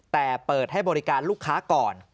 แต่เปิดให้บริการลูกค้าก่อน